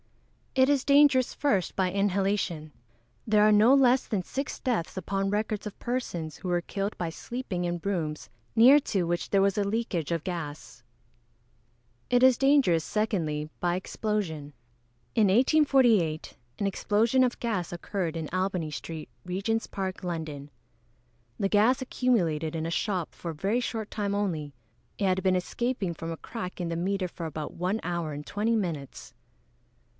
_ It is dangerous, first, by inhalation. There are no less than six deaths upon record of persons who were killed by sleeping in rooms near to which there was a leakage of gas. It is dangerous, secondly, by explosion. In 1848, an explosion of gas occurred in Albany street, Regent's park, London. The gas accumulated in a shop for a very short time only. It had been escaping from a crack in the meter for about one hour and twenty minutes.